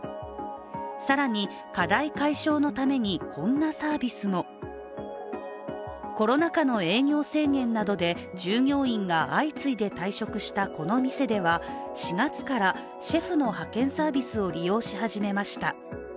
更に、課題解消のためにこんなサービスも。コロナ禍の営業制限などで従業員が相次いで退職したこの店では、４月からシェフの派遣サービスを利用し始めました。